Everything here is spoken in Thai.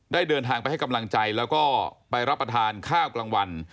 เดินทางไปให้กำลังใจแล้วก็ไปรับประทานข้าวกลางวัน